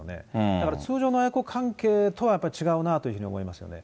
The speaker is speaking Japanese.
だから通常の親子関係とはやっぱり違うなと思いますよね。